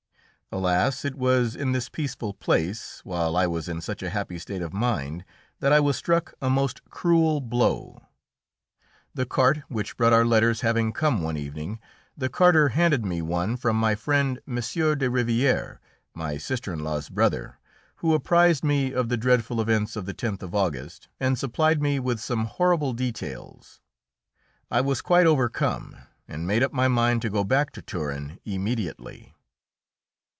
Alas! it was in this peaceful place, while I was in such a happy state of mind, that I was struck a most cruel blow. The cart which brought our letters having come one evening, the carter handed me one from my friend M. de Rivière, my sister in law's brother, who apprised me of the dreadful events of the 10th of August and supplied me with some horrible details. I was quite overcome, and made up my mind to go back to Turin immediately.